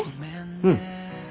うん。